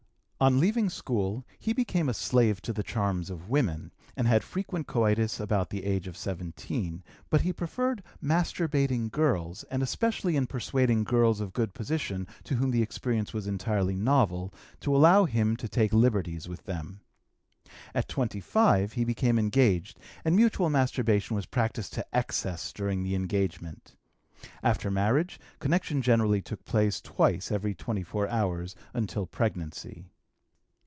On leaving school he became a slave to the charms of women, and had frequent coitus about the age of 17, but he preferred masturbating girls and especially in persuading girls of good position, to whom the experience was entirely novel, to allow him to take liberties with them. At 25 he became engaged, and mutual masturbation was practised to excess during the engagement; after marriage connection generally took place twice every twenty four hours until pregnancy.